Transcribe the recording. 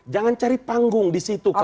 jangan cari panggung di situ